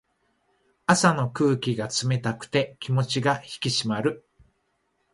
朝の空気が冷たくて気持ちが引き締まる。